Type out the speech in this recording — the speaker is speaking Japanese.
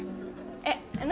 えっ何？